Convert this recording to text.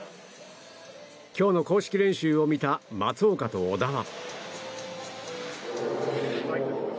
今日の公式練習を見た松岡と織田は。